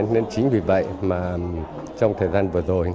nên chính vì vậy mà trong thời gian vừa rồi